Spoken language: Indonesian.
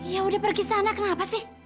yaudah pergi sana kenapa sih